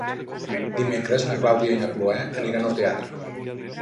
Dimecres na Clàudia i na Cloè aniran al teatre.